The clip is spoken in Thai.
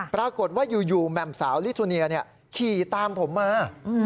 ปรากฏว่าอยู่แหม่มสาวลิทูเนียขี่ตามผมมา